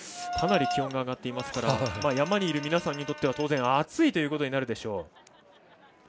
かなり気温が上がってますから山にいる皆さんにとっては当然暑いということになるでしょう。